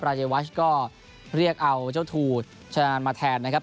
เยวัชก็เรียกเอาเจ้าทูธชนะมาแทนนะครับ